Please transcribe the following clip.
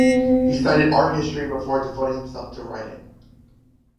He studied art history before devoting himself to writing.